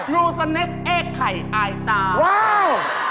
ดูสเนคเอกไข่อายตาว้าว